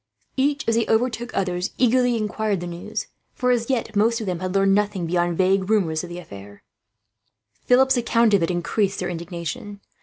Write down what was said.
Each, as he overtook others, eagerly inquired the news; for as yet most of them had learned nothing beyond vague rumours of the affair. Philip's account of it increased their indignation.